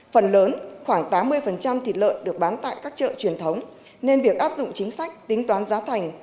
phần lớn khoảng tám mươi thịt lợn được bán tại các chợ truyền thống nên việc áp dụng chính sách tính toán giá thành